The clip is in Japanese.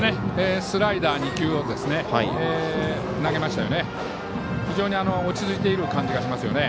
スライダー２球を投げましたよね。